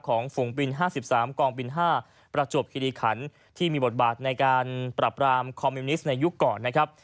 ฝูงบิน๕๓กองบิน๕ประจวบคิริขันที่มีบทบาทในการปรับรามคอมมิวนิสต์ในยุคก่อนนะครับ